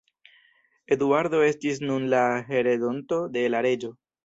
Eduardo estis nun la heredonto de la reĝo.